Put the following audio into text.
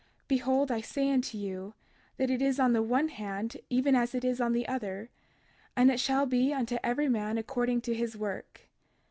Behold, I say unto you, that it is on the one hand even as it is on the other; and it shall be unto every man according to his work.